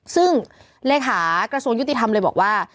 ซึ่งเลขากระทรวงยุติธรรมเลยบอกว่า